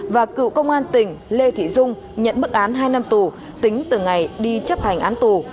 và cựu công an tỉnh lê thị dung nhận mức án hai năm tù tính từ ngày đi chấp hành án tù